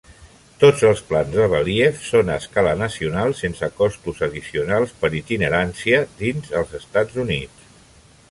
Tots els plans de Belief són a escala nacional sense costos addicionals per itinerància dins els Estats Units.